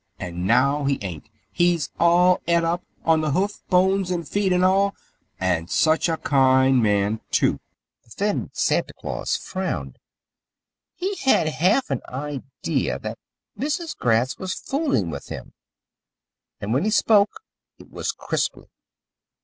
And now he ain't. He's all eat up, on the hoof, bones, and feet and all. And such a kind man, too." The thin Santa Claus frowned. He had half an idea that Mrs. Gratz was fooling with him, and when he spoke it was crisply.